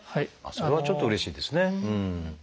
それはちょっとうれしいですね。